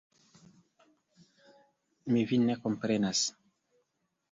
Mi vin ne komprenas.